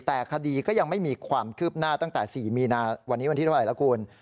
แต่คดีก็ยังไม่มีความคืบหน้าตั้งแต่๔มีนาวันนี้วันที่เท่าไหร่ละคุณ